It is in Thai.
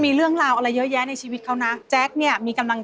เพราะว่าเดี๋ยวยาย